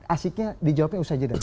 asiknya dijawabin usha jeddah